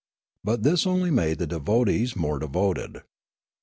But this only made the devotees more devoted.